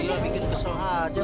iya bikin kesel aja